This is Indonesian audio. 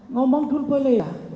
ngomong dulu boleh ya